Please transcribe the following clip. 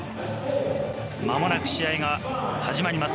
まもなく試合が始まります。